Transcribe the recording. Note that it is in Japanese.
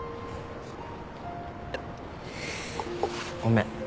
ごめん。